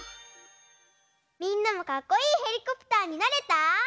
みんなもかっこいいペリコプターになれた？